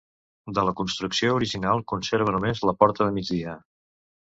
De la construcció original conserva només la porta de migdia.